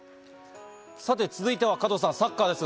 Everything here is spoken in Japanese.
さて続いては加藤さん、サッカーです。